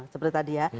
seperti tadi ya